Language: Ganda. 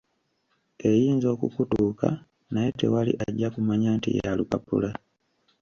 Eyinza okukutuuka naye tewali ajja kumanya nti ya lupapula.